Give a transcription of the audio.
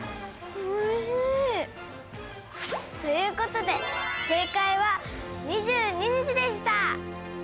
ということで正解は２２日でした！